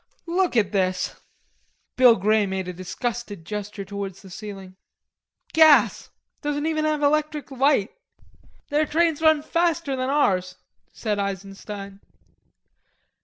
"Look at this," Bill Grey made a disgusted gesture towards the ceiling. "Gas. Don't even have electric light." "Their trains run faster than ours," said Eisenstein.